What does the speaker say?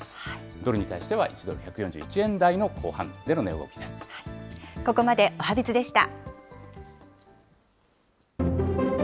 ドルに対しては１ドル１４１円台ここまでおはＢｉｚでした。